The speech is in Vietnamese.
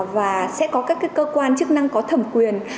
và sẽ có các cơ quan chức năng có thẩm quyền